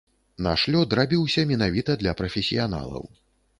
Наш лёд рабіўся менавіта для прафесіяналаў.